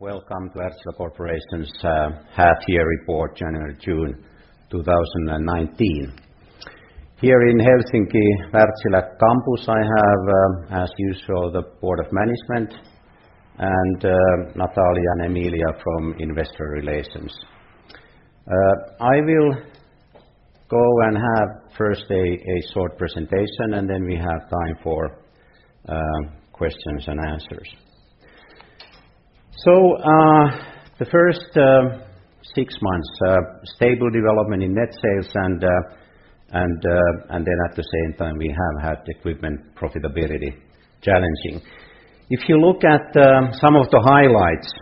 Welcome to Wärtsilä Corporation's half-year report, January, June 2019. Here in Helsinki, Wärtsilä campus, I have, as usual, the board of management and Natalie and Emilia from Investor Relations. I will go and have first a short presentation, then we have time for questions and answers. The first six months, stable development in net sales. At the same time, we have had equipment profitability challenging. If you look at some of the highlights,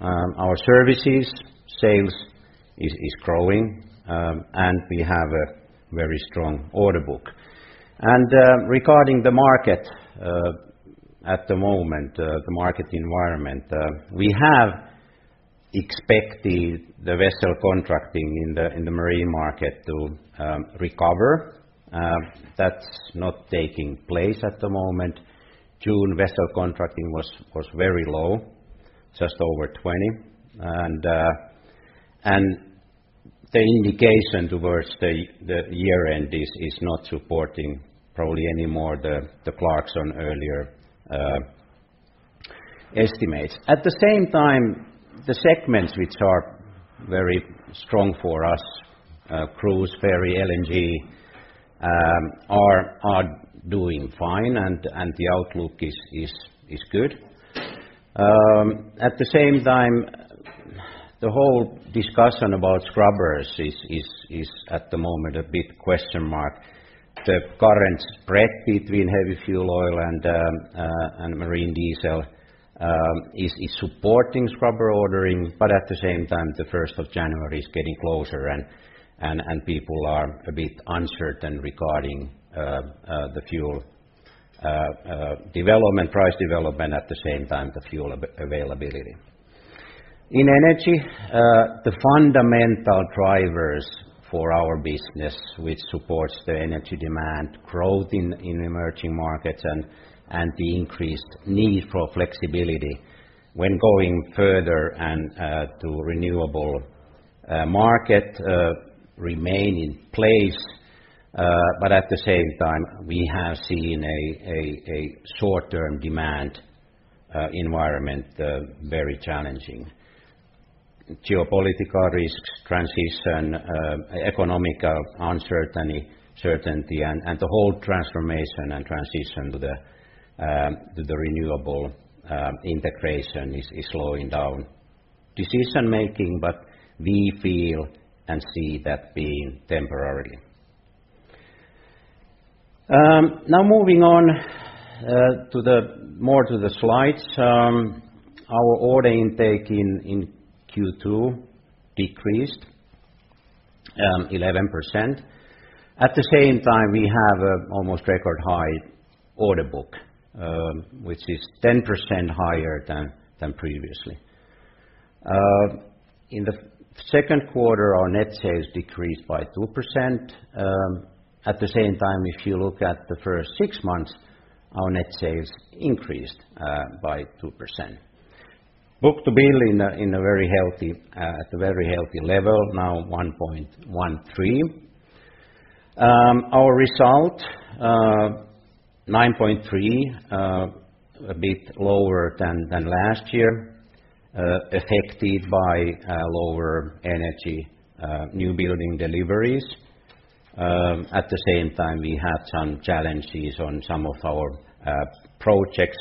our services, sales is growing, and we have a very strong order book. Regarding the market at the moment, the market environment, we have expected the vessel contracting in the marine market to recover. That's not taking place at the moment. June vessel contracting was very low, just over 20. The indication towards the year-end is not supporting probably anymore the Clarksons earlier estimates. At the same time, the segments which are very strong for us, cruise, ferry, LNG, are doing fine, and the outlook is good. At the same time, the whole discussion about scrubbers is, at the moment, a big question mark. The current spread between heavy fuel oil and marine diesel is supporting scrubber ordering, but at the same time, the 1st of January is getting closer and people are a bit uncertain regarding the fuel development, price development, at the same time, the fuel availability. In energy, the fundamental drivers for our business, which supports the energy demand growth in emerging markets and the increased need for flexibility when going further and to renewable market remain in place. At the same time, we have seen a short-term demand environment very challenging. Geopolitical risks, transition, economical uncertainty, certainty, and the whole transformation and transition to the renewable integration is slowing down decision making. We feel and see that being temporary. Moving on more to the slides. Our order intake in Q2 decreased 11%. At the same time, we have almost record high order book, which is 10% higher than previously. In the second quarter, our net sales decreased by 2%. At the same time, if you look at the first six months, our net sales increased by 2%. Book-to-bill at a very healthy level, now 1.13. Our result, 9.3, a bit lower than last year, affected by lower energy new building deliveries. At the same time, we had some challenges on some of our projects,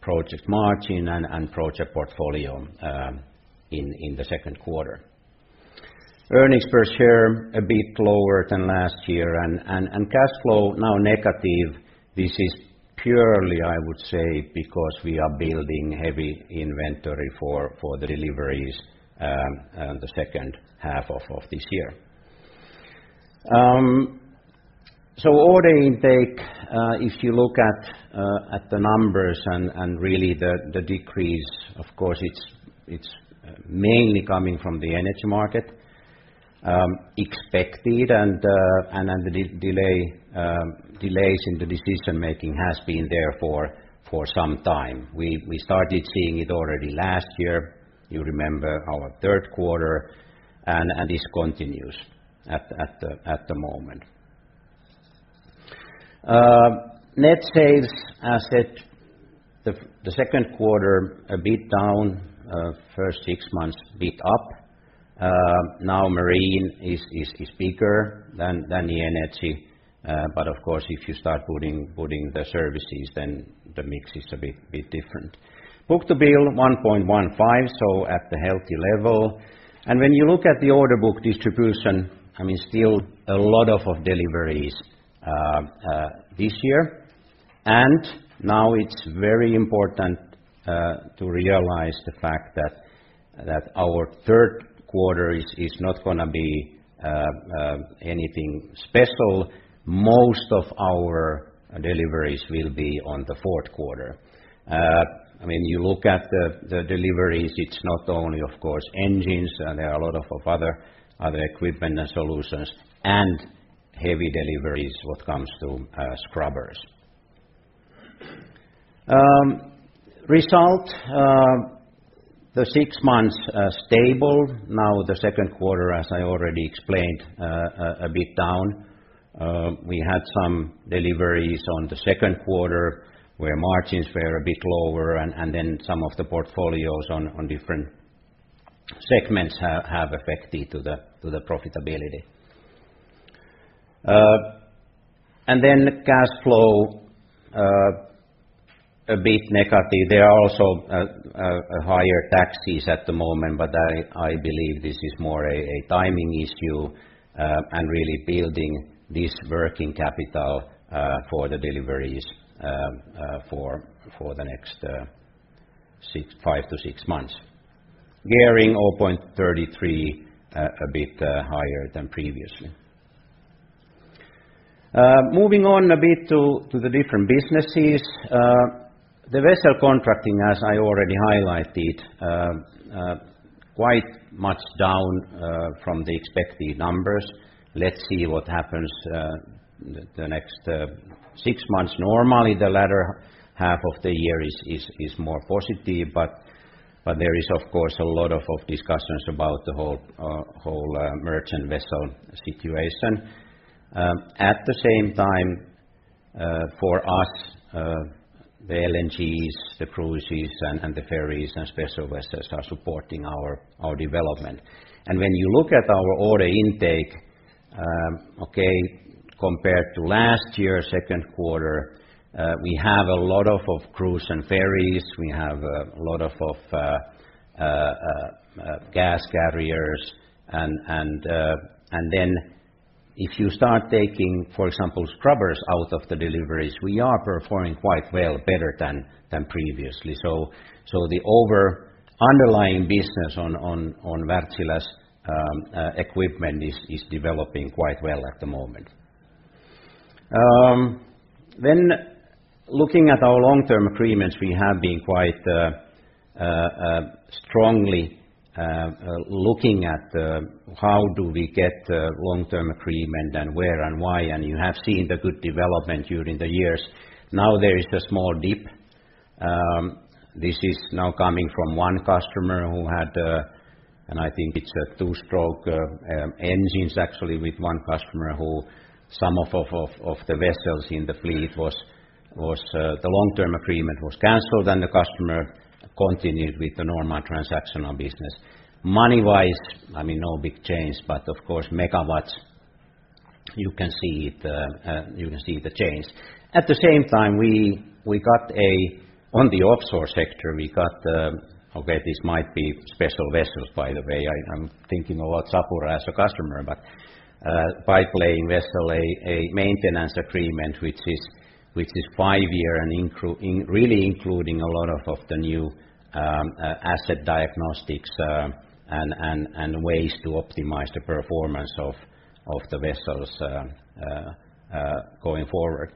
project margin, and project portfolio in the second quarter. Earnings per share a bit lower than last year. Cash flow now negative. This is purely, I would say, because we are building heavy inventory for the deliveries the second half of this year. Order intake, if you look at the numbers and really the decrease, of course, it's mainly coming from the energy market, expected. The delays in the decision making has been there for some time. We started seeing it already last year. You remember our third quarter. This continues at the moment. Net sales, as said, the second quarter a bit down, first six months a bit up. Marine is bigger than the energy, but of course, if you start putting the services, then the mix is a bit different. Book-to-bill 1.15, at the healthy level. When you look at the order book distribution, still a lot of deliveries this year. It's very important to realize the fact that our third quarter is not going to be anything special. Most of our deliveries will be on the fourth quarter. When you look at the deliveries, it's not only, of course, engines. There are a lot of other equipment and solutions and heavy deliveries when it comes to scrubbers. Result, the six months are stable. The second quarter, as I already explained, a bit down. We had some deliveries on the second quarter where margins were a bit lower and then some of the portfolios on different segments have affected the profitability. Cash flow, a bit negative. There are also higher taxes at the moment, but I believe this is more a timing issue and really building this working capital for the deliveries for the next five to six months. Gearing of 0.33, a bit higher than previously. Moving on a bit to the different businesses. The vessel contracting, as I already highlighted, quite much down from the expected numbers. Let's see what happens the next six months. Normally, the latter half of the year is more positive, but there is, of course, a lot of discussions about the whole merchant vessel situation. At the same time for us, the LNGs, the cruises and the ferries and special vessels are supporting our development. When you look at our order intake, compared to last year, second quarter, we have a lot of cruise and ferries, we have a lot of gas carriers. If you start taking, for example, scrubbers out of the deliveries, we are performing quite well, better than previously. The underlying business on Wärtsilä's equipment is developing quite well at the moment. Looking at our long-term agreements, we have been quite strongly looking at how do we get a long-term agreement and where and why, and you have seen the good development during the years. Now there is the small dip. This is now coming from one customer who had, and I think it's two-stroke engines actually with one customer who some of the vessels in the fleet, the long-term agreement was canceled and the customer continued with the normal transactional business. Money-wise, no big change, but of course, megawatts, you can see the change. At the same time on the offshore sector, we got, okay, this might be special vessels, by the way. I'm thinking about Saipem as a customer, but pipe-laying vessel, a maintenance agreement, which is five-year and really including a lot of the new asset diagnostics, and ways to optimize the performance of the vessels going forward.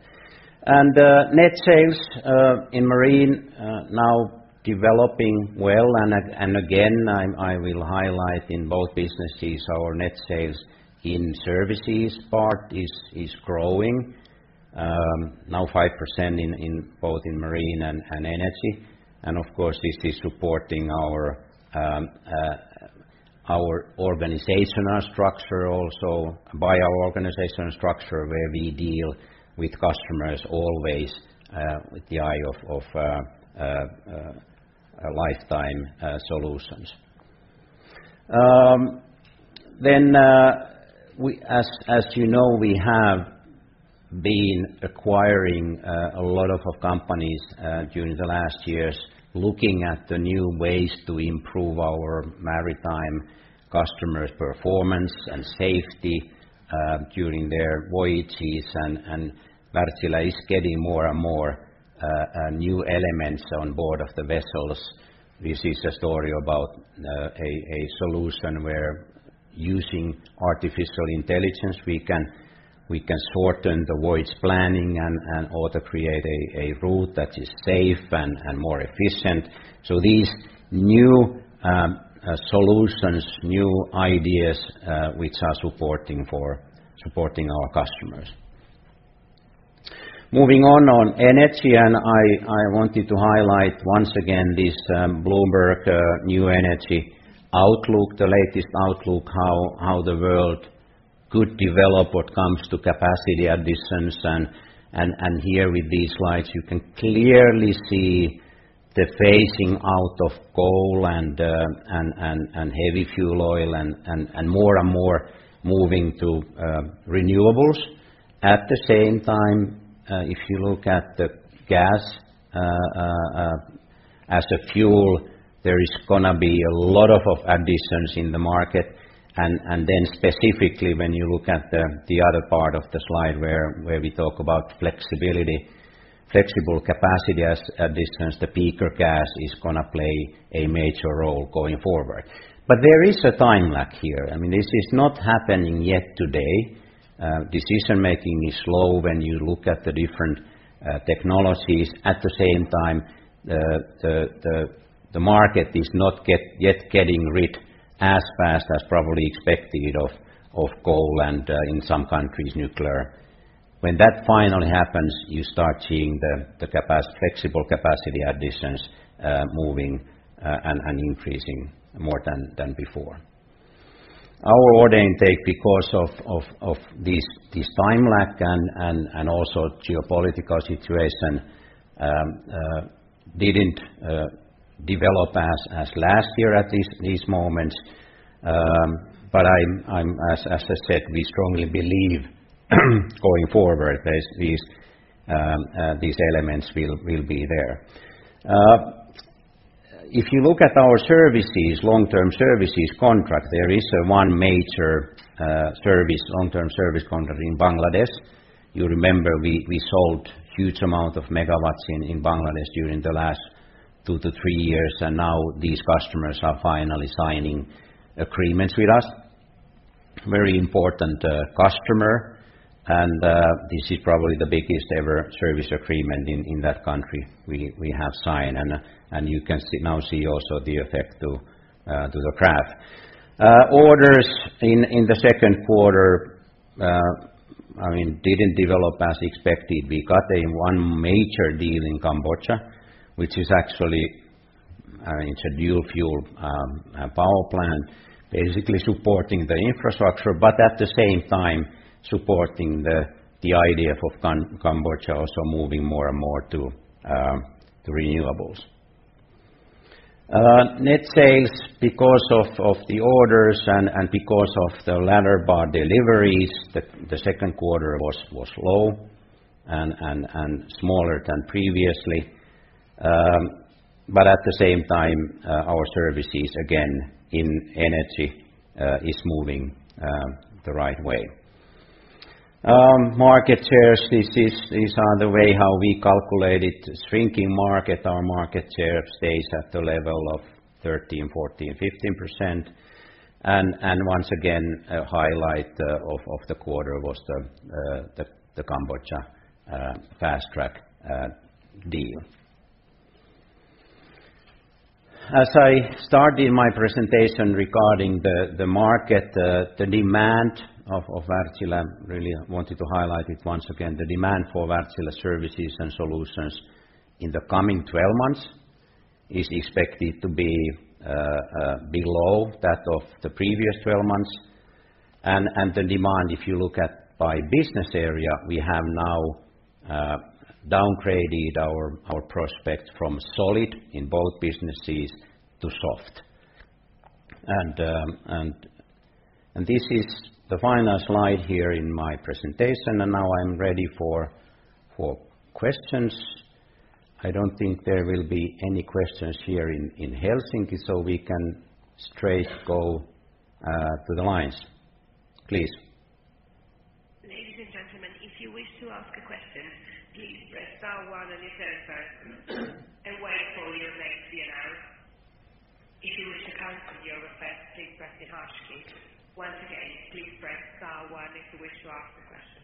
Net sales in Marine are now developing well, again, I will highlight in both businesses our net sales in services part is growing, now 5% both in Marine and Energy. Of course, this is supporting our organizational structure also by our organizational structure, where we deal with customers always with the eye of lifetime solutions. As you know, we have been acquiring a lot of companies during the last years, looking at the new ways to improve our maritime customers' performance and safety during their voyages, and Wärtsilä is getting more and more new elements on board of the vessels. This is a story about a solution where using artificial intelligence, we can shorten the voyage planning and auto-create a route that is safe and more efficient. These new solutions, new ideas, which are supporting our customers. Moving on energy, I wanted to highlight once again this Bloomberg New Energy Outlook, the latest outlook, how the world could develop what comes to capacity additions. Here with these slides, you can clearly see the phasing out of coal and heavy fuel oil and more and more moving to renewables. At the same time, if you look at the gas as the fuel, there is going to be a lot of additions in the market. Specifically when you look at the other part of the slide where we talk about flexibility, flexible capacity as additions, the peaker gas is going to play a major role going forward. There is a time lag here. This is not happening yet today. Decision-making is slow when you look at the different technologies. At the same time, the market is not yet getting rid as fast as probably expected of coal and in some countries, nuclear. When that finally happens, you start seeing the flexible capacity additions moving and increasing more than before. Our order intake because of this time lag and also geopolitical situation, didn't develop as last year at these moments. As I said, we strongly believe going forward, these elements will be there. If you look at our long-term services contract, there is one major long-term service contract in Bangladesh. You remember we sold huge amount of megawatts in Bangladesh during the last two to three years, and now these customers are finally signing agreements with us. Very important customer. This is probably the biggest ever service agreement in that country we have signed. You can now see also the effect to the graph. Orders in the second quarter didn't develop as expected. We got one major deal in Cambodia, which is actually a dual-fuel power plant, basically supporting the infrastructure. At the same time supporting the idea of Cambodia also moving more and more to renewables. Net sales because of the orders and because of the ladder bar deliveries, the second quarter was low and smaller than previously. At the same time, our services again in energy is moving the right way. Market shares. This is the way how we calculate it. Shrinking market, our market share stays at the level of 13%, 14%, 15%. Once again, a highlight of the quarter was the Cambodia fast track deal. As I started my presentation regarding the market, the demand of Wärtsilä, really I wanted to highlight it once again, the demand for Wärtsilä services and solutions in the coming 12 months is expected to be below that of the previous 12 months. The demand, if you look at by business area, we have now downgraded our prospect from solid in both businesses to soft. This is the final slide here in my presentation. Now I'm ready for questions. I don't think there will be any questions here in Helsinki. We can straight go to the lines. Please. Ladies and gentlemen, if you wish to ask a question, please press star one on your telephone and wait for your name to be announced. If you wish to cancel your request, please press the hash key. Once again, please press star one if you wish to ask a question.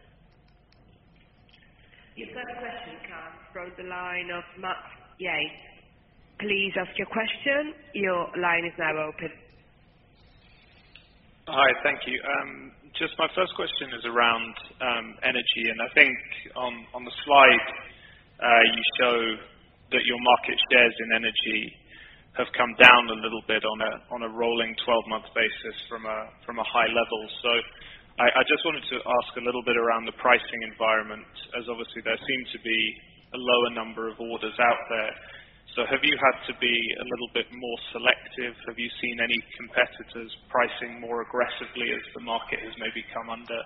Your first question comes from the line of Max Yates. Please ask your question. Your line is now open. Hi. Thank you. My first question is around energy, I think on the slide, you show that your market shares in energy have come down a little bit on a rolling 12-month basis from a high level. I just wanted to ask a little bit around the pricing environment, as obviously there seem to be a lower number of orders out there. Have you had to be a little bit more selective? Have you seen any competitors pricing more aggressively as the market has maybe come under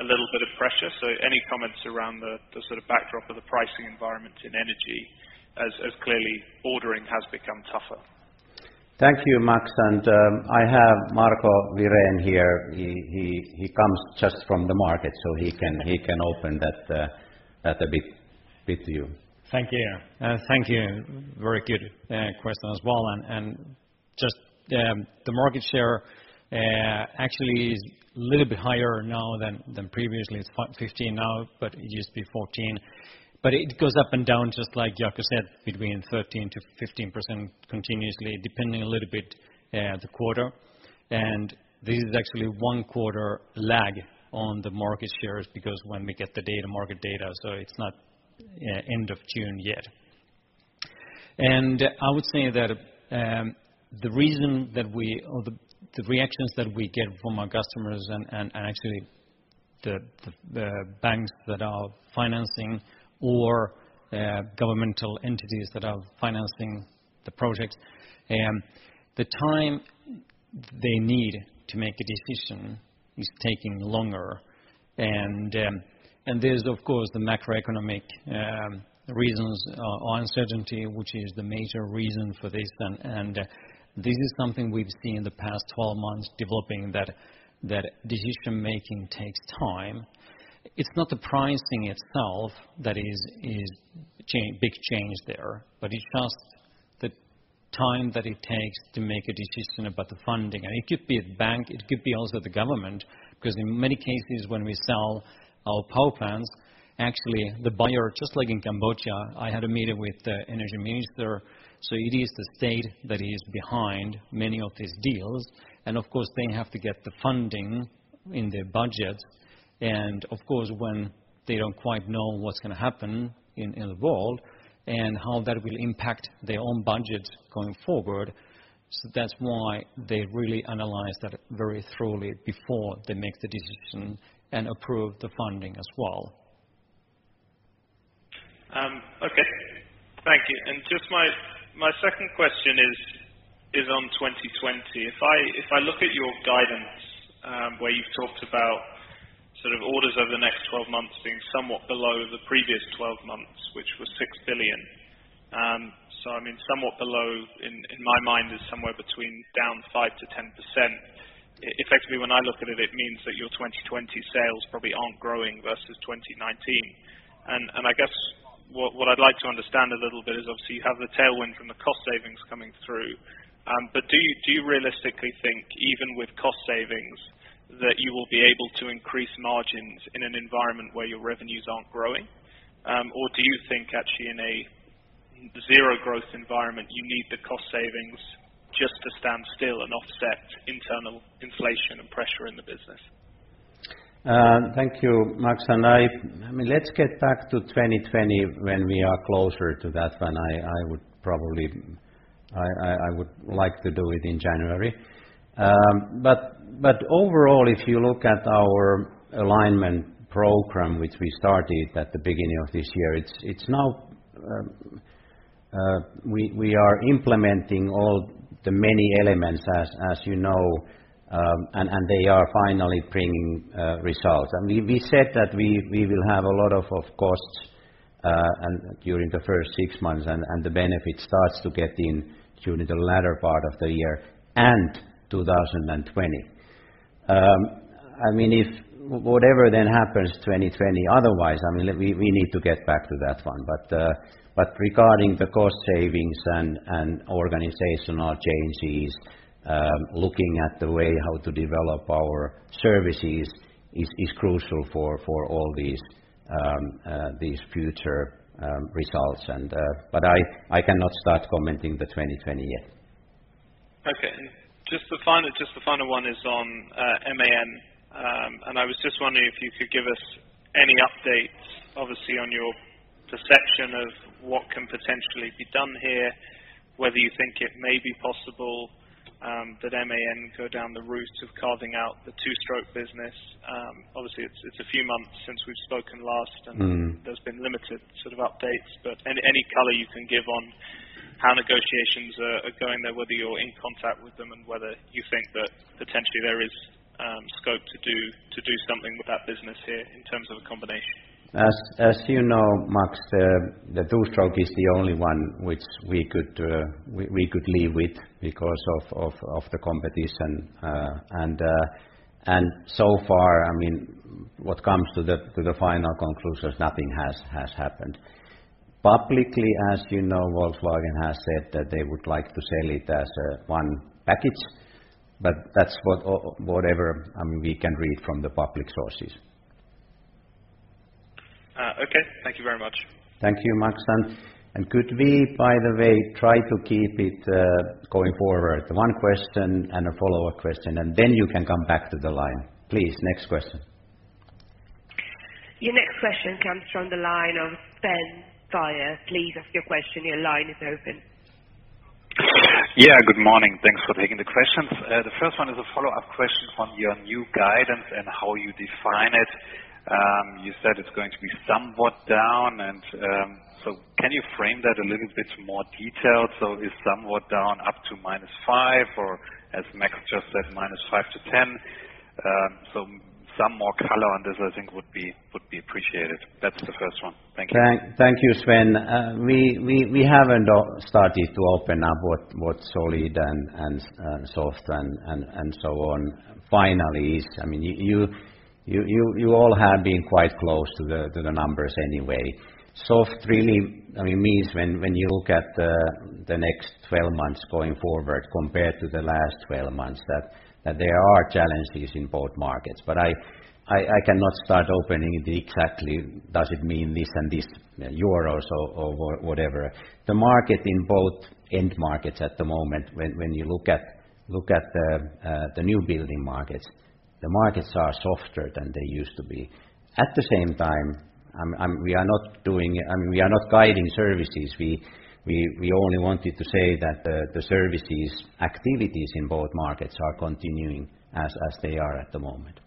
a little bit of pressure? Any comments around the sort of backdrop of the pricing environment in energy as clearly ordering has become tougher. Thank you, Max. I have Marco Wirén here. He comes just from the market so he can open that a bit with you. Thank you. Very good question as well. The market share actually is a little bit higher now than previously. It's 0.15% now, but it used to be 14%. It goes up and down just like Jaakko said, between 13% to 15% continuously, depending a little bit the quarter. This is actually one quarter lag on the market shares because when we get the market data, it's not end of June yet. I would say that the reactions that we get from our customers and actually the banks that are financing or governmental entities that are financing the projects, the time they need to make a decision is taking longer. There's of course the macroeconomic reasons or uncertainty, which is the major reason for this, and this is something we've seen in the past 12 months developing, that decision-making takes time. It's not the pricing itself that is big change there, but it's just the time that it takes to make a decision about the funding. It could be a bank, it could be also the government, because in many cases, when we sell our power plants, actually the buyer, just like in Cambodia, I had a meeting with the energy minister, so it is the state that is behind many of these deals. Of course, they have to get the funding in their budget. Of course, when they don't quite know what's going to happen in the world and how that will impact their own budget going forward, that's why they really analyze that very thoroughly before they make the decision and approve the funding as well. Okay. Thank you. Just my second question is on 2020. If I look at your guidance, where you've talked about sort of orders over the next 12 months being somewhat below the previous 12 months, which was 6 billion. I mean, somewhat below, in my mind, is somewhere between down 5%-10%. Effectively, when I look at it means that your 2020 sales probably aren't growing versus 2019. I guess what I'd like to understand a little bit is, obviously, you have the tailwind from the cost savings coming through. Do you realistically think even with cost savings that you will be able to increase margins in an environment where your revenues aren't growing? Do you think actually in a zero-growth environment, you need the cost savings just to stand still and offset internal inflation and pressure in the business? Thank you, Max. Let's get back to 2020 when we are closer to that one. I would like to do it in January. Overall, if you look at our alignment program, which we started at the beginning of this year, we are implementing all the many elements as you know, and they are finally bringing results. We said that we will have a lot of costs during the first six months, and the benefit starts to get in during the latter part of the year and 2020. Whatever happens 2020 otherwise, we need to get back to that one. Regarding the cost savings and organizational changes, looking at the way how to develop our services is crucial for all these future results. I cannot start commenting the 2020 yet. Okay. Just the final one is on MAN. I was just wondering if you could give us any updates, obviously, on your perception of what can potentially be done here, whether you think it may be possible that MAN go down the route of carving out the two-stroke business. Obviously, it's a few months since we've spoken last- There's been limited sort of updates. Any color you can give on how negotiations are going there, whether you're in contact with them, and whether you think that potentially there is scope to do something with that business here in terms of a combination? As you know, Max, the two-stroke is the only one which we could live with because of the competition. So far, what comes to the final conclusions, nothing has happened. Publicly, as you know, Volkswagen has said that they would like to sell it as one package, but that's whatever we can read from the public sources. Okay. Thank you very much. Thank you, Max. Could we, by the way, try to keep it going forward? One question and a follow-up question, and then you can come back to the line. Please, next question. Your next question comes from the line of Sven Weier. Please ask your question. Your line is open. Yeah, good morning. Thanks for taking the questions. The first one is a follow-up question on your new guidance and how you define it. You said it's going to be somewhat down, can you frame that a little bit more detailed? Is somewhat down up to -5% or as Max just said, -5% to -10%? Some more color on this I think would be appreciated. That's the first one. Thank you. Thank you, Sven. We haven't started to open up what's solid and soft and so on. Final is, you all have been quite close to the numbers anyway. Soft really means when you look at the next 12 months going forward compared to the last 12 months, that there are challenges in both markets. I cannot start opening it exactly. Does it mean this and this, EUR or whatever? The market in both end markets at the moment, when you look at the new building markets, the markets are softer than they used to be. At the same time, we are not guiding services. We only wanted to say that the services activities in both markets are continuing as they are at the moment.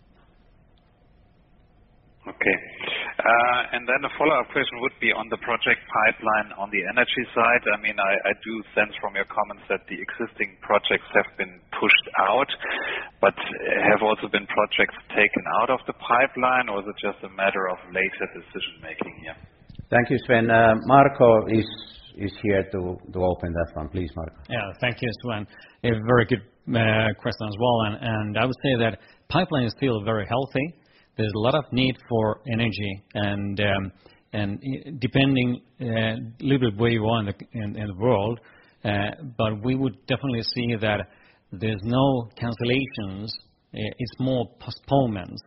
Okay. A follow-up question would be on the project pipeline on the energy side. I do sense from your comments that the existing projects have been pushed out. Have also been projects taken out of the pipeline, or is it just a matter of later decision-making here? Thank you, Sven. Marco is here to open that one. Please, Marco. Yeah. Thank you, Sven. A very good question as well. I would say that pipeline is still very healthy. There's a lot of need for energy and depending little where you are in the world. We would definitely see that there's no cancellations. It's more postponements.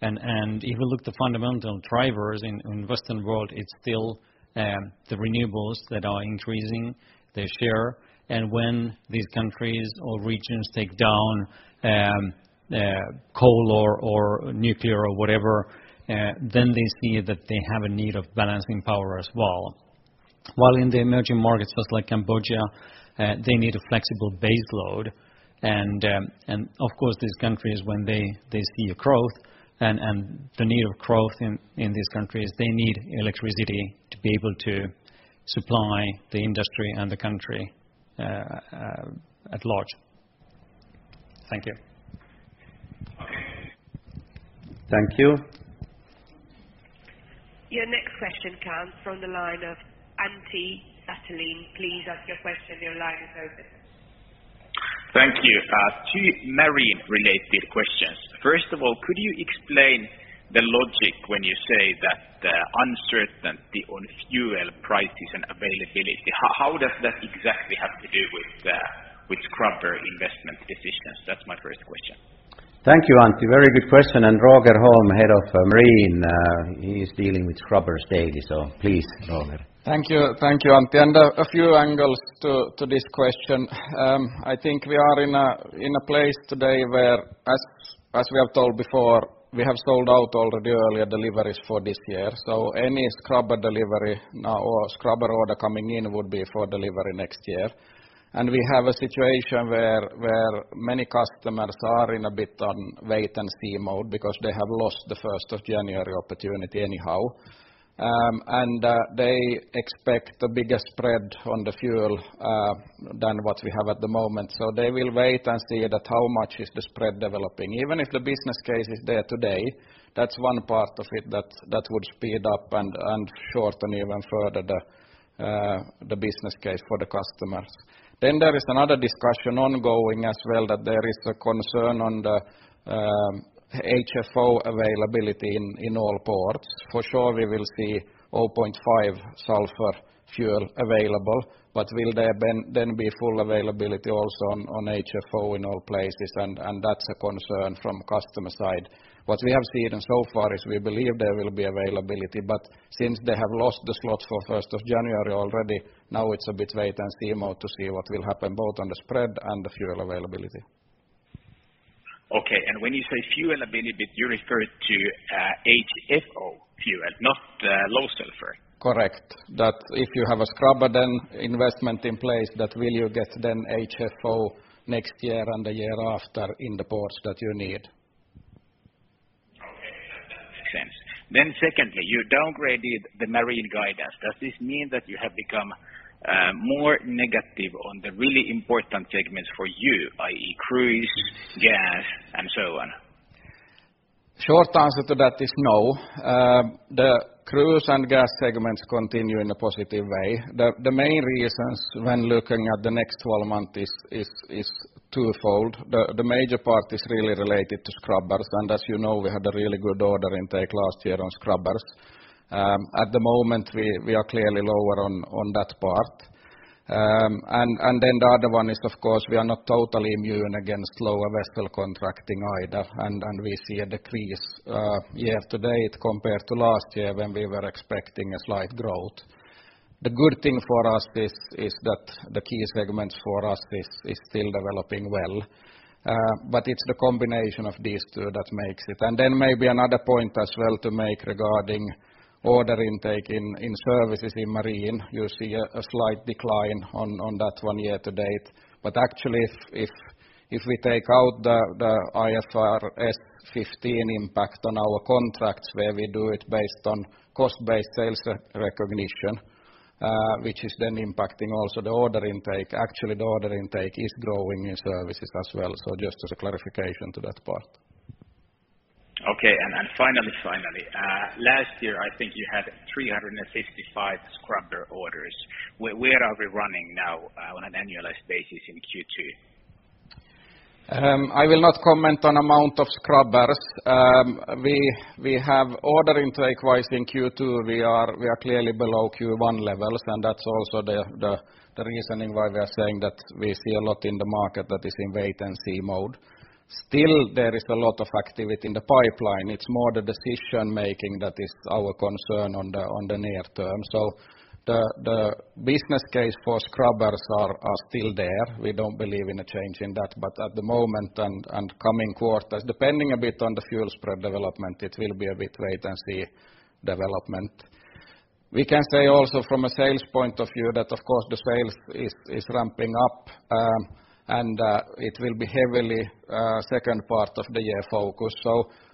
If you look the fundamental drivers in Western world, it's still the renewables that are increasing the share. When these countries or regions take down coal or nuclear or whatever, they see that they have a need of balancing power as well. While in the emerging markets such like Cambodia, they need a flexible base load. Of course, these countries, when they see a growth and the need of growth in these countries, they need electricity to be able to supply the industry and the country at large. Thank you. Okay. Thank you. Your next question comes from the line of Antti Satulin. Please ask your question. Your line is open. Thank you. Two marine-related questions. First of all, could you explain the logic when you say that the uncertainty on fuel prices and availability, how does that exactly have to do with scrubber investment decisions? That's my first question. Thank you, Antti. Very good question. Roger Holm, Head of Marine, he is dealing with scrubbers daily. Please, Roger. Thank you. Thank you, Antti. A few angles to this question. I think we are in a place today where, as we have told before, we have sold out already earlier deliveries for this year. Any scrubber delivery now or scrubber order coming in would be for delivery next year. We have a situation where many customers are in a bit on wait and see mode because they have lost the 1st of January opportunity anyhow. They expect the biggest spread on the fuel, than what we have at the moment. They will wait and see that how much is the spread developing. Even if the business case is there today, that's one part of it that would speed up and shorten even further the business case for the customers. There is another discussion ongoing as well that there is a concern on the HFO availability in all ports. For sure we will see 0.5 sulfur fuel available, but will there then be full availability also on HFO in all places? That's a concern from customer side. What we have seen so far is we believe there will be availability, but since they have lost the slots for 1st of January already, now it's a bit wait and see mode to see what will happen, both on the spread and the fuel availability. Okay. When you say fuel availability, you refer to HFO fuel, not low sulfur? Correct. That if you have a scrubber, then investment in place that will you get then HFO next year and the year after in the ports that you need. Okay. That makes sense. Secondly, you downgraded the Marine guidance. Does this mean that you have become more negative on the really important segments for you, i.e., cruise, gas, and so on? Short answer to that is no. The cruise and gas segments continue in a positive way. The main reasons when looking at the next 12 months is twofold. The major part is really related to scrubbers. As you know, we had a really good order intake last year on scrubbers. At the moment we are clearly lower on that part. The other one is, of course, we are not totally immune against lower vessel contracting either. We see a decrease year-to-date compared to last year when we were expecting a slight growth. The good thing for us is that the key segments for us is still developing well. It's the combination of these two that makes it. Maybe another point as well to make regarding order intake in services in Marine. You see a slight decline on that one year to date. Actually, if we take out the IFRS 15 impact on our contracts, where we do it based on cost-based sales recognition, which is then impacting also the order intake, the order intake is growing in services as well. Just as a clarification to that part. Okay. Finally, last year, I think you had 355 scrubber orders. Where are we running now on an annualized basis in Q2? I will not comment on amount of scrubbers. We have order intake wise in Q2, we are clearly below Q1 levels, that's also the reasoning why we are saying that we see a lot in the market that is in wait and see mode. Still there is a lot of activity in the pipeline. It's more the decision making that is our concern on the near term. The business case for scrubbers are still there. We don't believe in a change in that. At the moment and coming quarters, depending a bit on the fuel spread development, it will be a bit wait and see development. We can say also from a sales point of view that, of course, the sales is ramping up. It will be heavily second part of the year focus.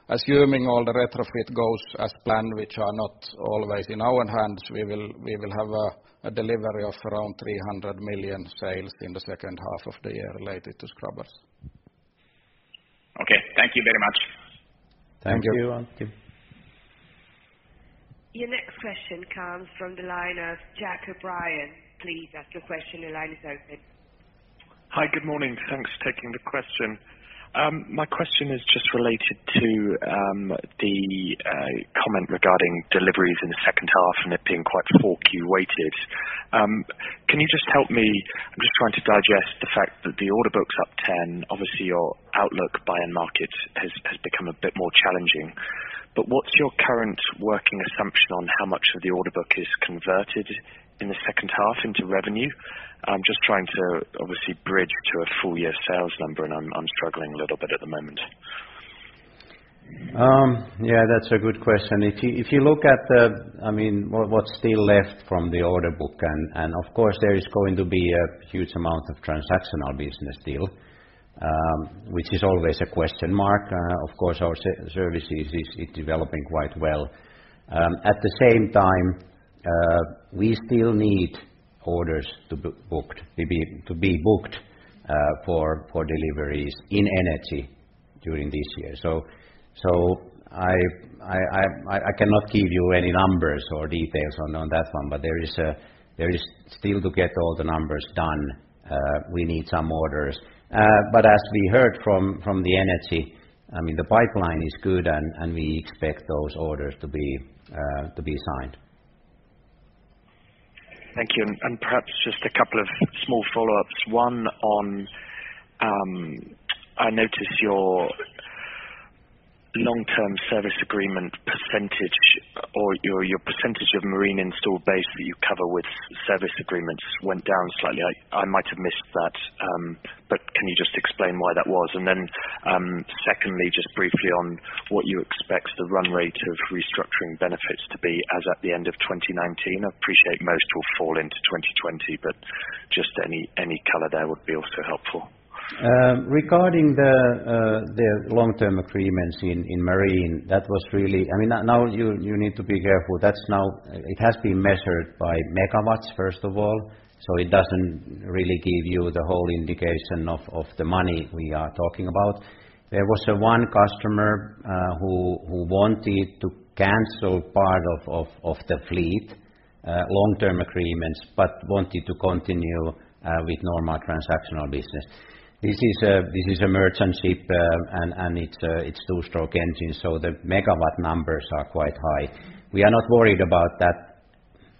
Assuming all the retrofit goes as planned, which are not always in our hands, we will have a delivery of around 300 million sales in the second half of the year related to scrubbers. Okay. Thank you very much. Thank you. Thank you. Your next question comes from the line of Jack O'Brien. Please ask your question, your line is open. Hi. Good morning. Thanks for taking the question. My question is just related to the comment regarding deliveries in the second half and it being quite 4Q-weighted. Can you just help me, I'm just trying to digest the fact that the order book's up 10, obviously your outlook by end market has become a bit more challenging. What's your current working assumption on how much of the order book is converted in the second half into revenue? I'm just trying to obviously bridge to a full year sales number, and I'm struggling a little bit at the moment. Yeah, that's a good question. If you look at what's still left from the order book, of course there is going to be a huge amount of transactional business still, which is always a question mark. Of course, our services is developing quite well. At the same time, we still need orders to be booked for deliveries in energy during this year. I cannot give you any numbers or details on that one, but there is still to get all the numbers done, we need some orders. As we heard from the energy, the pipeline is good and we expect those orders to be signed. Thank you. Perhaps just a couple of small follow-ups. One on, I noticed your long-term service agreement percentage or your percentage of marine installed base that you cover with service agreements went down slightly. I might have missed that. Can you just explain why that was? Secondly, just briefly on what you expect the run rate of restructuring benefits to be as at the end of 2019. I appreciate most will fall into 2020, just any color there would be also helpful. Regarding the long-term agreements in Marine, now you need to be careful. It has been measured by megawatts, first of all, so it doesn't really give you the whole indication of the money we are talking about. There was one customer who wanted to cancel part of the fleet long-term agreements but wanted to continue with normal transactional business. This is a merchant ship, and it's two-stroke engine, so the megawatt numbers are quite high. We are not worried about that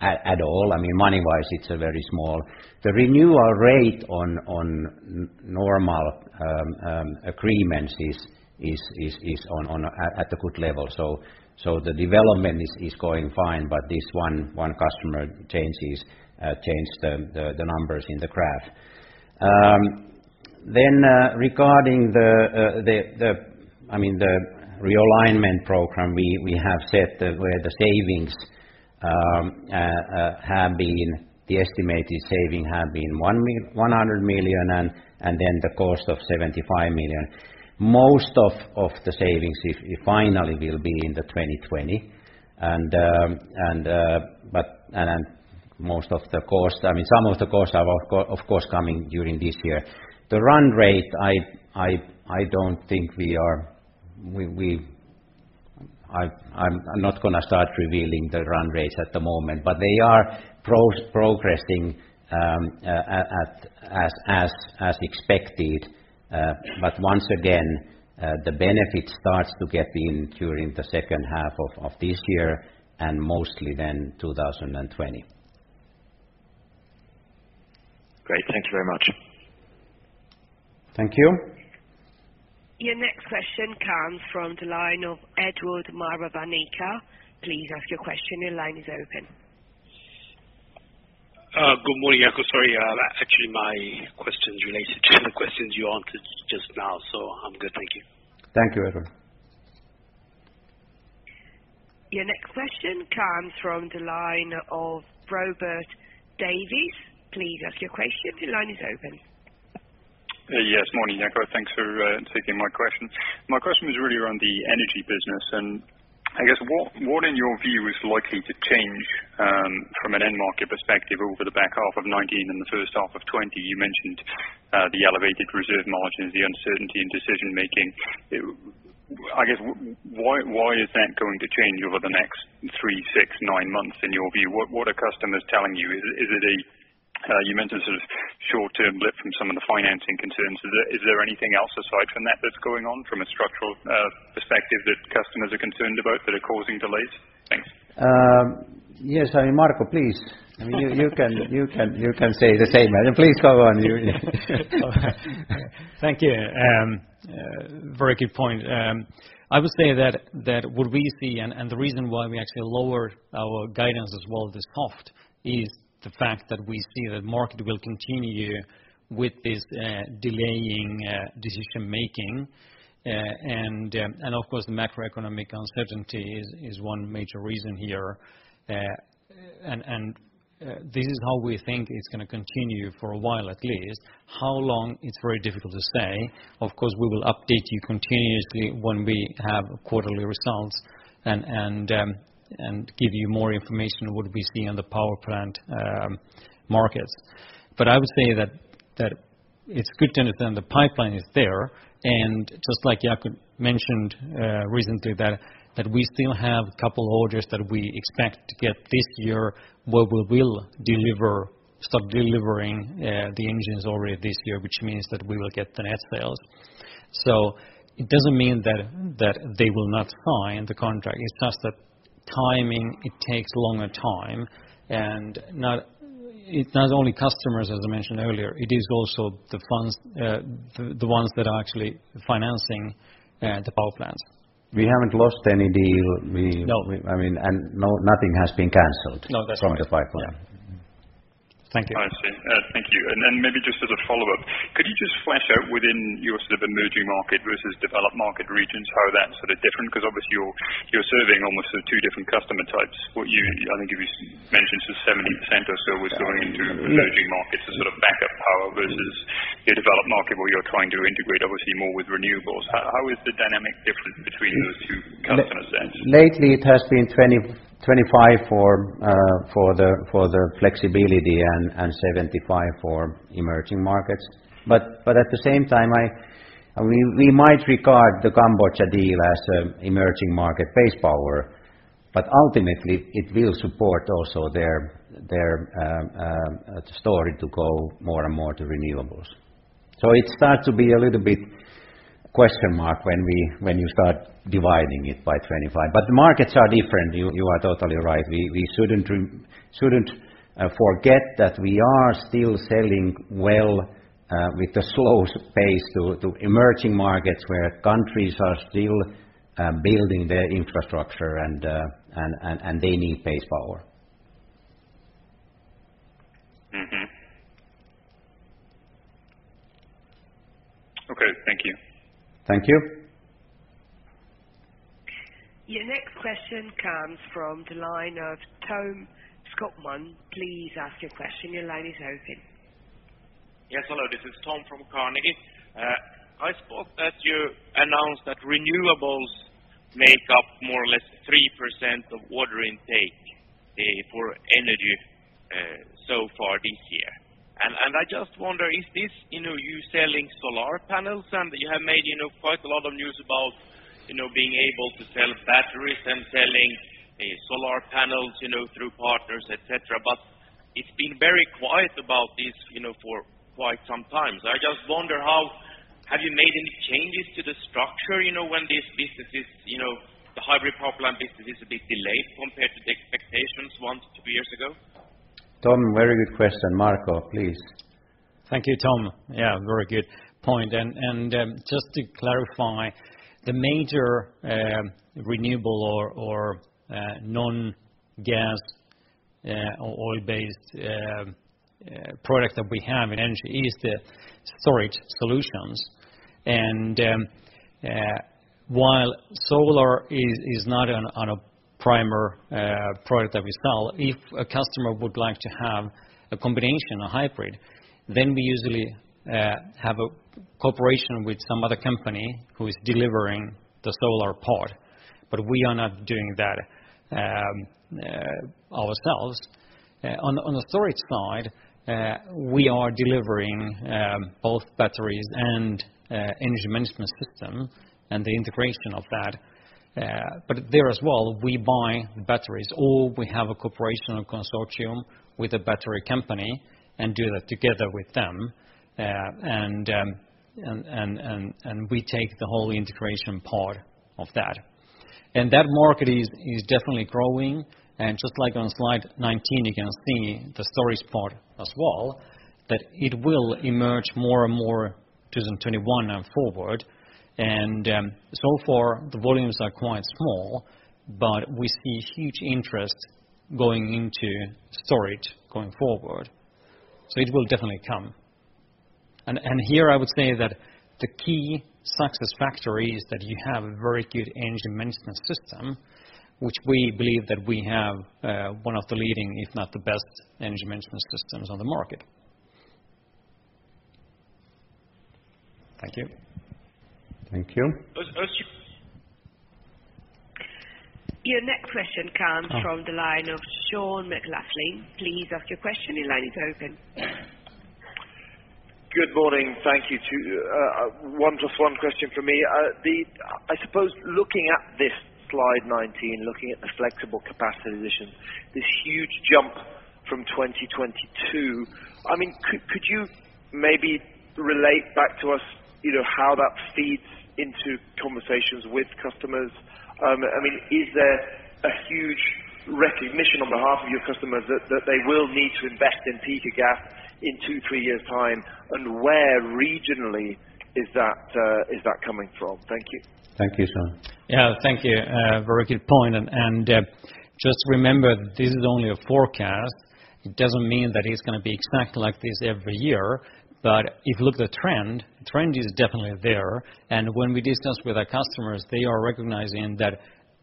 at all. Money-wise, it's very small. The renewal rate on normal agreements is at a good level. The development is going fine, this one customer changed the numbers in the graph. Regarding the realignment program, we have said where the savings have been, the estimated saving have been 100 million and the cost of 75 million. Most of the savings finally will be in the 2020. Some of the costs have of course come in during this year. The run rate, I'm not going to start revealing the run rates at the moment. They are progressing as expected. Once again, the benefit starts to get in during the second half of this year and mostly then 2020. Great. Thank you very much. Thank you. Your next question comes from the line of Edward Maravanyika. Please ask your question. Your line is open. Good morning, Jaakko. Sorry, actually my question's related to the questions you answered just now, I'm good. Thank you. Thank you, Edward. Your next question comes from the line of Robert Davies. Please ask your question. Your line is open. Yes. Morning, Jaakko. Thanks for taking my question. My question is really around the energy business, I guess what, in your view, is likely to change from an end market perspective over the back half of 2019 and the first half of 2020? You mentioned the elevated reserve margins, the uncertainty in decision-making. I guess, why is that going to change over the next three, six, nine months in your view? What are customers telling you? You mentioned sort of short-term lift from some of the financing concerns. Is there anything else aside from that that's going on from a structural perspective that customers are concerned about that are causing delays? Thanks. Yes. I mean, Marco, please. You can say the same. Please go on. Thank you. Very good point. I would say that what we see and the reason why we actually lowered our guidance as well this off is the fact that we see the market will continue with this delaying decision-making. Of course, the macroeconomic uncertainty is one major reason here. This is how we think it's going to continue for a while, at least. How long? It's very difficult to say. Of course, we will update you continuously when we have quarterly results and give you more information on what we see on the power plant markets. I would say that it's good to understand the pipeline is there, and just like Jaakko mentioned recently that we still have a couple orders that we expect to get this year, where we will start delivering the engines already this year, which means that we will get the net sales. It doesn't mean that they will not sign the contract. It's just that timing, it takes a longer time. It's not only customers, as I mentioned earlier, it is also the ones that are actually financing the power plants. We haven't lost any deal. No. Nothing has been canceled. No, that's correct from the pipeline. Yeah. Thank you. I see. Thank you. Maybe just as a follow-up, could you just flesh out within your sort of emerging market versus developed market regions, how that's sort of different? Because obviously you're serving almost two different customer types. I think you mentioned to 70% or so was going into emerging markets as sort of backup power versus your developed market where you're trying to integrate obviously more with renewables. How is the dynamic different between those two customer sets? Lately, it has been 25 for the flexibility and 75 for emerging markets. At the same time, we might regard the Cambodia deal as emerging market base power, but ultimately it will support also their story to go more and more to renewables. It starts to be a little bit question mark when you start dividing it by 25. The markets are different, you are totally right. We shouldn't forget that we are still selling well, with a slow pace to emerging markets where countries are still building their infrastructure and they need base power. Okay. Thank you. Thank you. Your next question comes from the line of Tom Skogman. Please ask your question. Your line is open. Yes, hello. This is Tom from Carnegie. I spot that you announced that renewables make up more or less 3% of order intake for energy so far this year. I just wonder, is this you selling solar panels? You have made quite a lot of news about being able to sell batteries and selling solar panels through partners, et cetera, but it's been very quiet about this for quite some time. I just wonder, have you made any changes to the structure when the hybrid power plant business is a bit delayed compared to the expectations one to two years ago? Tom, very good question. Marco, please. Thank you, Tom. Yeah, very good point. Just to clarify, the major renewable or non-gas, oil-based product that we have in energy is the storage solutions. While solar is not a primer product that we sell, if a customer would like to have a combination, a hybrid, then we usually have a cooperation with some other company who is delivering the solar part. We are not doing that ourselves. On the storage side, we are delivering both batteries and energy management system and the integration of that. There as well, we buy batteries, or we have a cooperation or consortium with a battery company and do that together with them. We take the whole integration part of that. That market is definitely growing. Just like on slide 19, you can see the storage part as well, that it will emerge more and more 2021 and forward. So far the volumes are quite small, but we see huge interest going into storage going forward. It will definitely come. Here I would say that the key success factor is that you have a very good energy management system, which we believe that we have one of the leading, if not the best energy management systems on the market. Thank you. Thank you. Your next question comes from the line of Sean McLoughlin. Please ask your question. Your line is open. Good morning. Thank you. Just one question from me. I suppose looking at this slide 19, looking at the flexible capacity addition, this huge jump from 2022, could you maybe relate back to us how that feeds into conversations with customers? Is there a huge recognition on behalf of your customers that they will need to invest in peaker gas in two, three years' time? Where regionally is that coming from? Thank you. Thank you, Sean. Yeah. Thank you. A very good point. Just remember, this is only a forecast. It doesn't mean that it's going to be exact like this every year. If you look at the trend is definitely there. When we discuss with our customers, they are recognizing that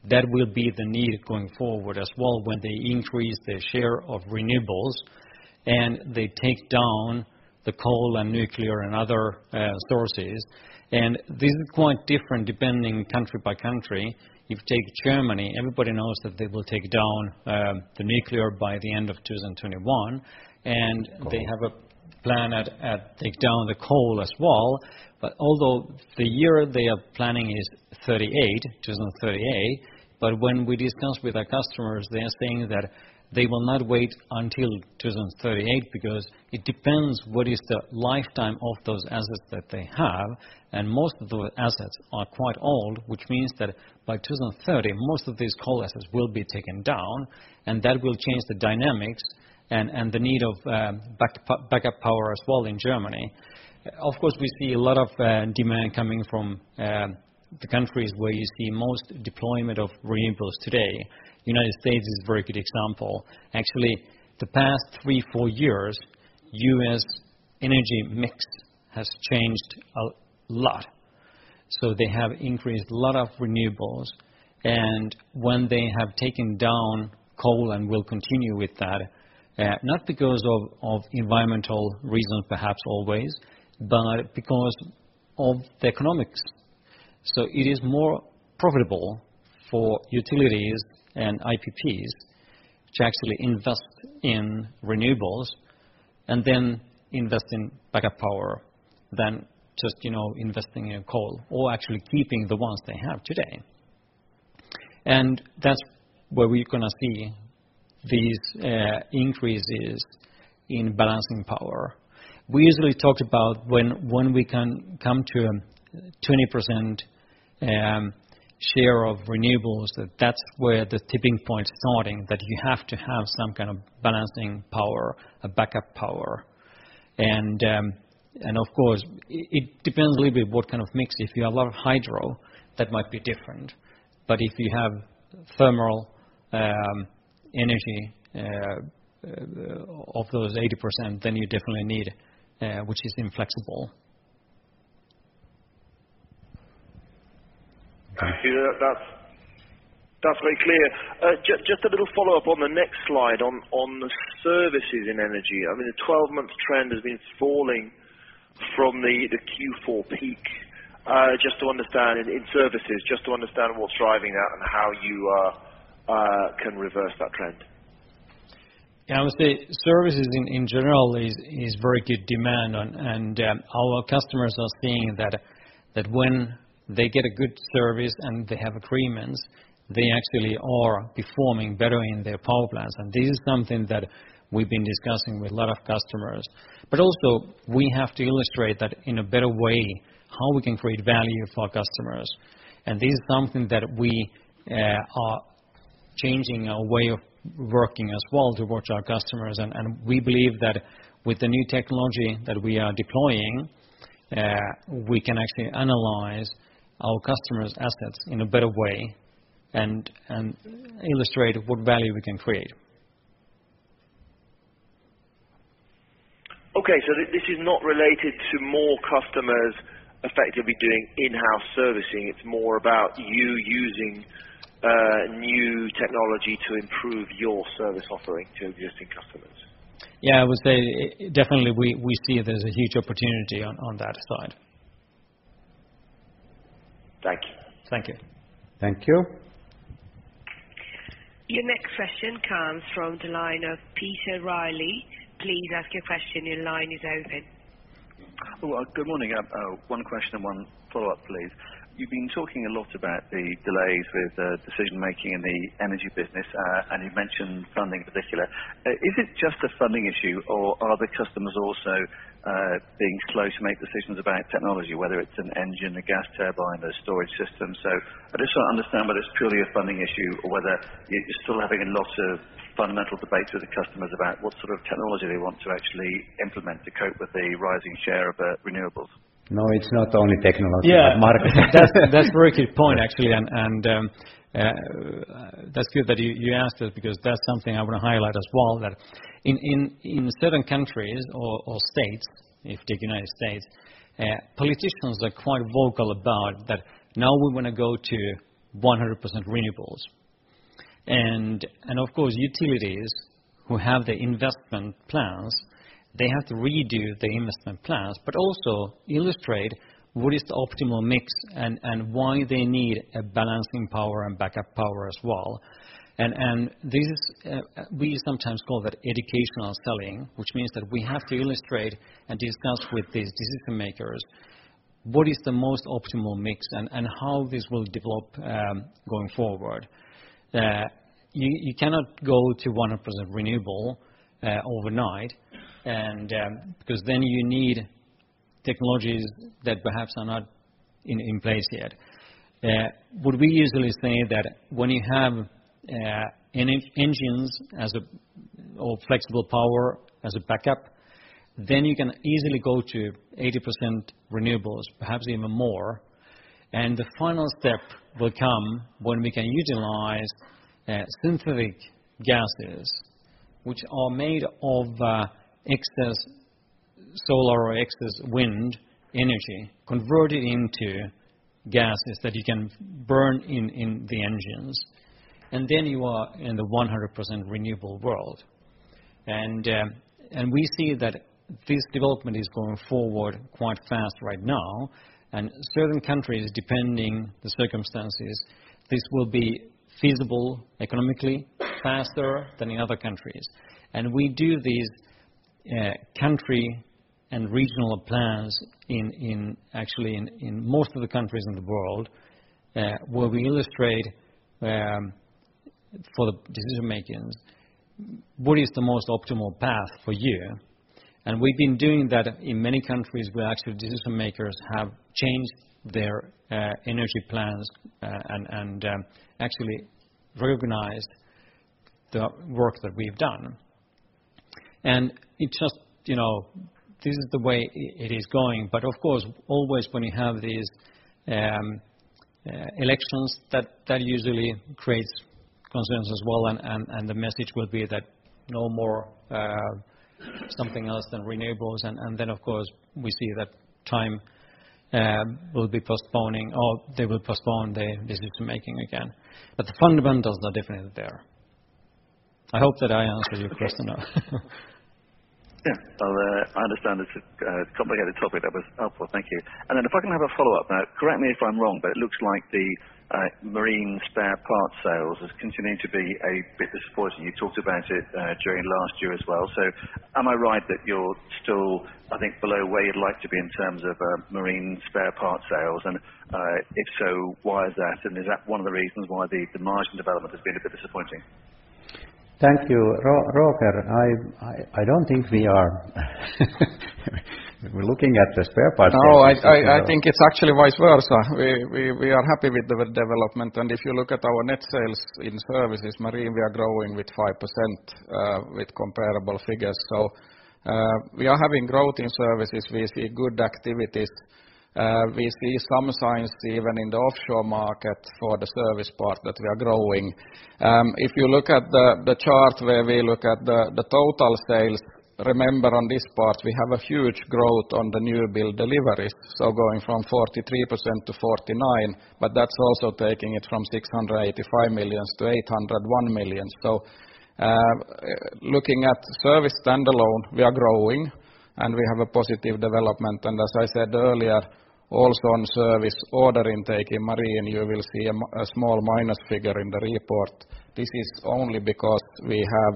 that will be the need going forward as well when they increase their share of renewables and they take down the coal and nuclear and other sources, and this is quite different depending country by country. If you take Germany, everybody knows that they will take down the nuclear by the end of 2021, and they have a plan at take down the coal as well. Although the year they are planning is 2038, but when we discuss with our customers, they are saying that they will not wait until 2038 because it depends what is the lifetime of those assets that they have. Most of those assets are quite old, which means that by 2030, most of these coal assets will be taken down, and that will change the dynamics and the need of backup power as well in Germany. Of course, we see a lot of demand coming from the countries where you see most deployment of renewables today. United States is a very good example. Actually, the past three, four years, U.S. energy mix has changed a lot. They have increased a lot of renewables. When they have taken down coal and will continue with that, not because of environmental reasons perhaps always, but because of the economics. It is more profitable for utilities and IPPs to actually invest in renewables and then invest in backup power than just investing in coal or actually keeping the ones they have today. That's where we're going to see these increases in balancing power. We usually talked about when we can come to a 20% share of renewables, that that's where the tipping point starting, that you have to have some kind of balancing power, a backup power. Of course, it depends a little bit what kind of mix. If you have a lot of hydro, that might be different. But if you have thermal energy of those 80%, then you definitely need, which is inflexible. Thank you. That's very clear. Just a little follow-up on the next slide on the services in energy. I mean, the 12-month trend has been falling from the Q4 peak. Just to understand, in services, what's driving that and how you can reverse that trend. Yeah, I would say services in general is very good demand, our customers are seeing that when they get a good service and they have agreements, they actually are performing better in their power plants. This is something that we've been discussing with a lot of customers. Also, we have to illustrate that in a better way, how we can create value for our customers. This is something that we are changing our way of working as well towards our customers. We believe that with the new technology that we are deploying, we can actually analyze our customers' assets in a better way and illustrate what value we can create. Okay. This is not related to more customers effectively doing in-house servicing. It's more about you using new technology to improve your service offering to existing customers. Yeah, I would say definitely we see there's a huge opportunity on that side. Thank you. Thank you. Thank you. Your next question comes from the line of Peter Reilly. Please ask your question, your line is open. Well, good morning. One question and one follow-up, please. You've been talking a lot about the delays with decision-making in the energy business, and you've mentioned funding in particular. Is it just a funding issue or are the customers also being slow to make decisions about technology, whether it's an engine, a gas turbine, a storage system? I just want to understand whether it's purely a funding issue or whether you're still having a lot of fundamental debates with the customers about what sort of technology they want to actually implement to cope with the rising share of renewables. No, it's not only technology- Yeah market. That's a very good point, actually. That's good that you asked it because that's something I want to highlight as well, that in certain countries or states, in the United States, politicians are quite vocal about that now we want to go to 100% renewables. Of course, utilities who have the investment plans, they have to redo the investment plans, but also illustrate what is the optimal mix and why they need a balancing power and backup power as well. We sometimes call that educational selling, which means that we have to illustrate and discuss with these decision-makers what is the most optimal mix and how this will develop going forward. You cannot go to 100% renewable overnight, because then you need technologies that perhaps are not in place yet. What we usually say that when you have engines or flexible power as a backup, then you can easily go to 80% renewables, perhaps even more. The final step will come when we can utilize synthetic gases, which are made of excess solar or excess wind energy converted into gases that you can burn in the engines, then you are in the 100% renewable world. We see that this development is going forward quite fast right now. Certain countries, depending the circumstances, this will be feasible economically faster than in other countries. We do these country and regional plans actually in most of the countries in the world, where we illustrate for the decision-makers what is the most optimal path for you. We've been doing that in many countries where actually decision-makers have changed their energy plans and actually recognized the work that we've done. This is the way it is going. Of course, always when you have these elections, that usually creates concerns as well, the message will be that no more something else than renewables. Then of course, we see that time will be postponing or they will postpone the decision-making again. The fundamentals are definitely there. I hope that I answered your question enough. Yeah. I understand it's a complicated topic. That was helpful. Thank you. If I can have a follow-up. Correct me if I'm wrong, it looks like the marine spare parts sales is continuing to be a bit disappointing. You talked about it during last year as well. Am I right that you're still, I think below where you'd like to be in terms of marine spare parts sales? If so, why is that? Is that one of the reasons why the margin development has been a bit disappointing? Thank you, Roger. I don't think we are. We're looking at the spare parts business. I think it's actually vice versa. We are happy with the development. If you look at our net sales in services marine, we are growing with 5% with comparable figures. We are having growth in services. We see good activities. We see some signs even in the offshore market for the service part that we are growing. If you look at the chart where we look at the total sales, remember on this part, we have a huge growth on the new build deliveries, going from 43% to 49%, that's also taking it from 685 million to 801 million. Looking at service standalone, we are growing, and we have a positive development. As I said earlier, also on service order intake in marine, you will see a small minus figure in the report. This is only because we have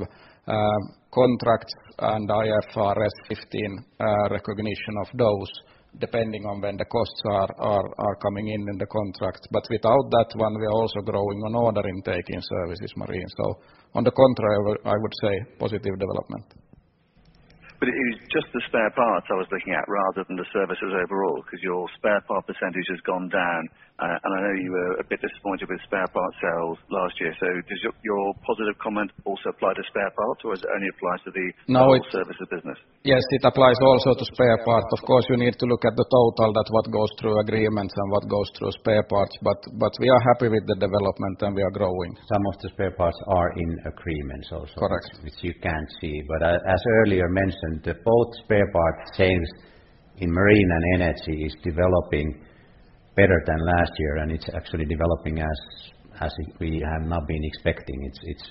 contracts and IFRS 15 recognition of those depending on when the costs are coming in in the contracts. Without that one, we are also growing on order intake in services marine. On the contrary, I would say positive development. It is just the spare parts I was looking at rather than the services overall because your spare part percentage has gone down. I know you were a bit disappointed with spare part sales last year. Does your positive comment also apply to spare parts, or is it only applies to the whole services business? Yes, it applies also to spare parts. Of course, you need to look at the total, that what goes through agreements and what goes through spare parts. We are happy with the development, and we are growing. Some of the spare parts are in agreements also. Correct which you can't see. As earlier mentioned, both spare part sales in marine and energy is developing better than last year, and it's actually developing as we have now been expecting.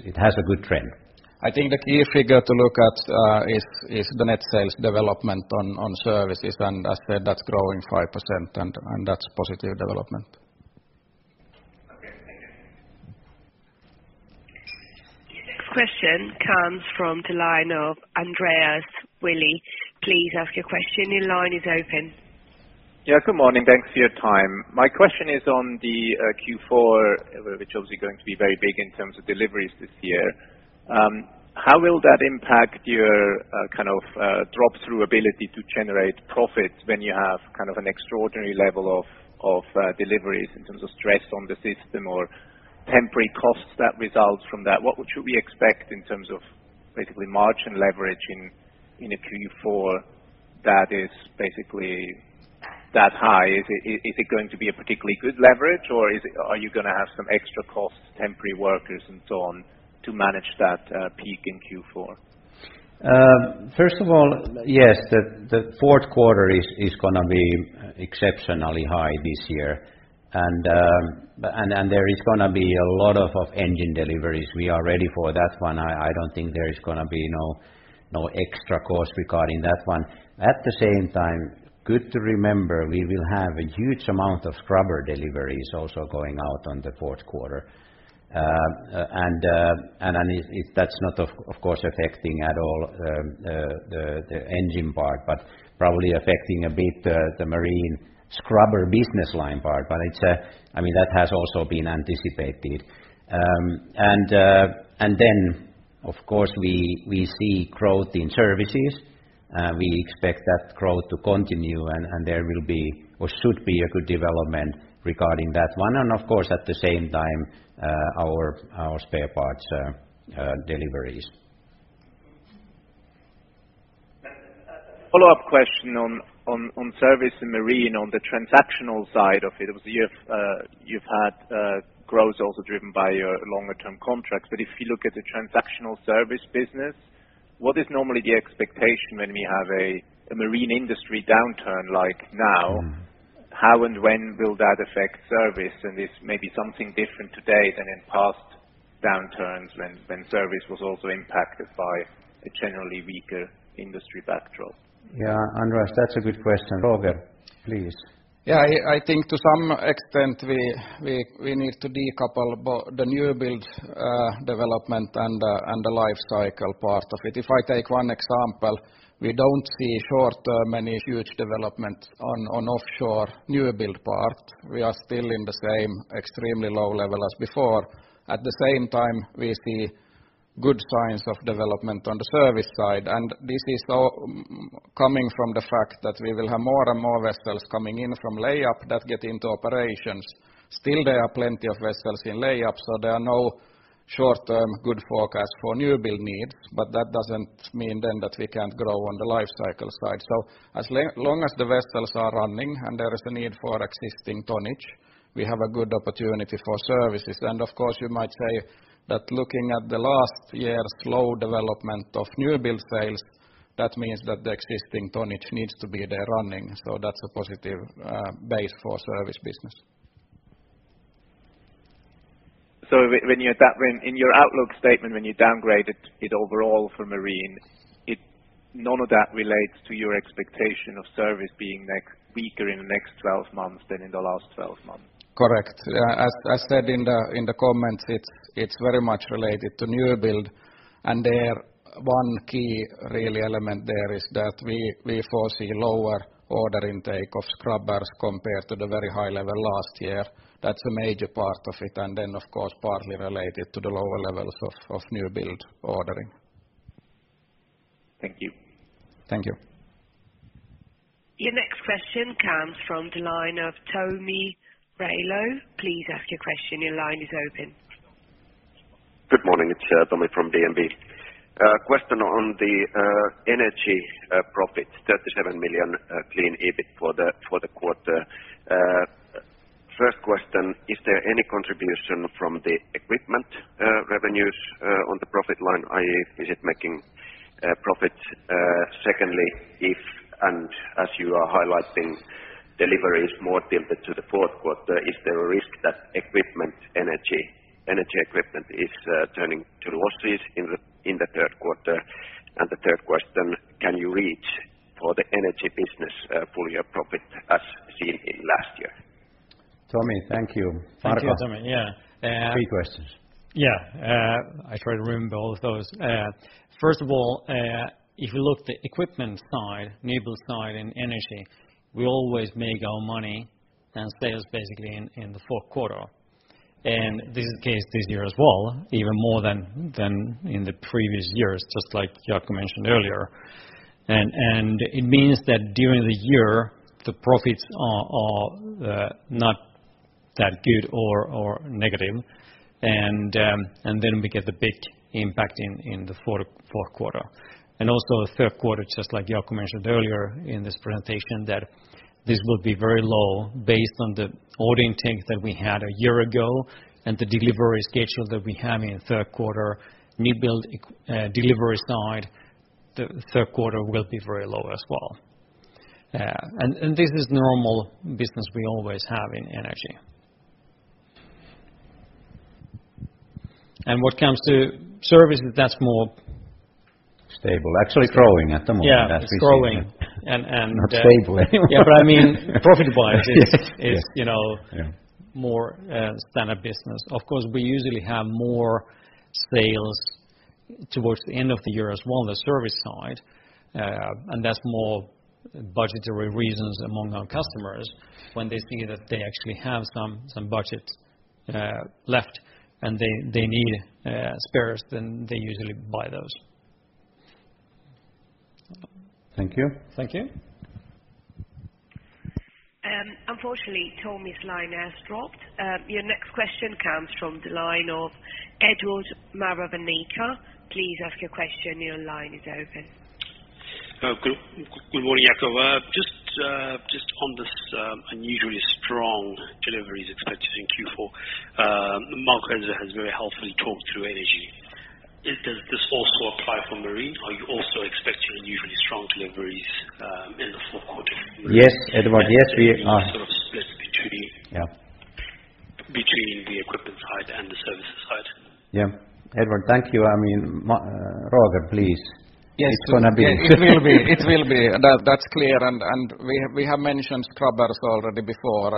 It has a good trend. I think the key figure to look at is the net sales development on services, and as said, that's growing 5%, and that's positive development. Okay. Thank you. Next question comes from the line of Andreas Willi. Please ask your question. Your line is open. Yeah. Good morning. Thanks for your time. My question is on the Q4, which obviously going to be very big in terms of deliveries this year. How will that impact your drop through ability to generate profits when you have an extraordinary level of deliveries in terms of stress on the system or temporary costs that result from that? What should we expect in terms of basically margin leverage in a Q4 that is basically that high? Is it going to be a particularly good leverage, or are you going to have some extra costs, temporary workers and so on to manage that peak in Q4? First of all, yes, the fourth quarter is going to be exceptionally high this year. There is going to be a lot of engine deliveries. We are ready for that one. I don't think there is going to be no extra cost regarding that one. At the same time, good to remember, we will have a huge amount of scrubber deliveries also going out on the fourth quarter. That's not of course, affecting at all the engine part, but probably affecting a bit the marine scrubber business line part. That has also been anticipated. Of course, we see growth in services. We expect that growth to continue, and there will be or should be a good development regarding that one, of course, at the same time, our spare parts deliveries. A follow-up question on service and marine on the transactional side of it. You've had growth also driven by your longer-term contracts. If you look at the transactional service business, what is normally the expectation when we have a marine industry downturn like now? How and when will that affect service? This may be something different today than in past downturns when service was also impacted by a generally weaker industry backdrop. Andreas, that's a good question. Roger, please. I think to some extent, we need to decouple both the new build development and the life cycle part of it. If I take one example, we don't see short-term, any huge development on offshore new build part. We are still in the same extremely low level as before. At the same time, we see good signs of development on the service side, and this is coming from the fact that we will have more and more vessels coming in from lay-up that get into operations. Still, there are plenty of vessels in lay-up, so there are no short-term good forecast for new build need, but that doesn't mean then that we can't grow on the life cycle side. As long as the vessels are running and there is a need for existing tonnage, we have a good opportunity for services. Of course, you might say that looking at the last year's low development of new build sales, that means that the existing tonnage needs to be there running. That's a positive base for service business. When you're in your outlook statement, when you downgraded it overall for marine, none of that relates to your expectation of service being weaker in the next 12 months than in the last 12 months? Correct. As I said in the comments, it's very much related to new build, and one key really element there is that we foresee lower order intake of scrubbers compared to the very high level last year. That's a major part of it. Then, of course, partly related to the lower levels of new build ordering. Thank you. Thank you. Your next question comes from the line of Tomi Railo. Please ask your question. Your line is open. Good morning. It's Tomi from DNB. A question on the Energy profit, 37 million clean EBIT for the quarter. First question, is there any contribution from the equipment revenues on the profit line, i.e., is it making profit? Secondly, if and as you are highlighting deliveries more tilted to the fourth quarter, is there a risk that energy equipment is turning to losses in the third quarter? The third question, can you reach for the Energy business full year profit as seen in last year? Tommy, thank you. Thank you, Tomi. Three questions. I try to remember all of those. First of all, if you look the equipment side, new build side in Energy, we always make our money and sales basically in the fourth quarter. This is the case this year as well, even more than in the previous years, just like Jaakko mentioned earlier. It means that during the year, the profits are not that good or negative. We get the big impact in the fourth quarter. Also the third quarter, just like Jaakko mentioned earlier in this presentation, that this will be very low based on the order intake that we had a year ago and the delivery schedule that we have in third quarter. New build deliveries side, the third quarter will be very low as well. This is normal business we always have in Energy. What comes to Service, that's more Stable. Actually growing at the moment. Yeah, it's growing. Not stable anymore. Yeah, I mean, profit-wise, it's more standard business. Of course, we usually have more sales towards the end of the year as well on the service side, that's more budgetary reasons among our customers when they see that they actually have some budget left and they need spares, they usually buy those. Thank you. Thank you. Unfortunately, Tomi's line has dropped. Your next question comes from the line of Edward Maravanyika. Please ask your question. Your line is open. Good morning, Jaakko. Just on this unusually strong deliveries expected in Q4. Marco Wirén has very helpfully talked through Energy. Does this also apply for Marine? Are you also expecting unusually strong deliveries in the fourth quarter? Yes, Edward. Yes, we are. Sort of split between. Yeah between the equipment side and the services side. Yeah. Edward, thank you. Roger, please. Yes. It's going to be It will be. That's clear, we have mentioned scrubbers already before,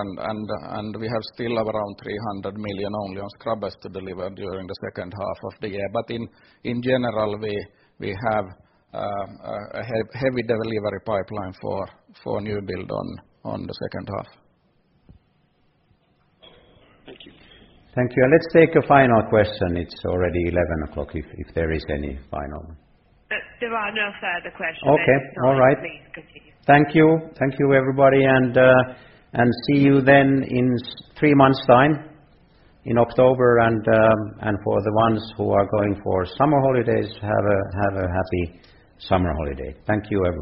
we have still around 300 million only on scrubbers to deliver during the second half of the year. In general, we have a heavy delivery pipeline for new build on the second half. Thank you. Thank you. Let's take a final question. It's already 11:00 A.M. If there is any final question. There are no further questions. Okay. All right. Please continue. Thank you. Thank you, everybody, and see you then in three months' time in October and, for the ones who are going for summer holidays, have a happy summer holiday. Thank you, everyone.